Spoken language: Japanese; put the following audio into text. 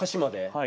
はい。